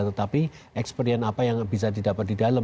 tetapi experience apa yang bisa didapat di dalam